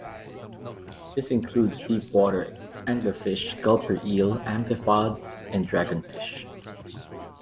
This includes deep-water anglerfish, gulper eel, amphipods and dragonfish.